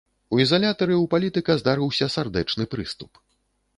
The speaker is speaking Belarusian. У ізалятары ў палітыка здарыўся сардэчны прыступ.